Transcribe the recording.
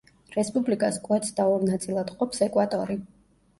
რესპუბლიკას კვეთს და ორ ნაწილად ყოფს ეკვატორი.